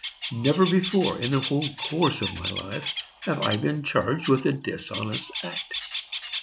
Never before, in the whole course of my life, have I been charged with a dishonest act.